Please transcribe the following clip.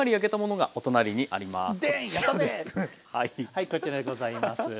はいこちらございます。